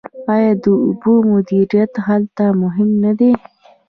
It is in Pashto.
آیا د اوبو مدیریت هلته مهم نه دی؟